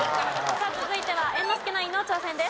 さあ続いては猿之助ナインの挑戦です。